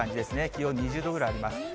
気温２０度ぐらいあります。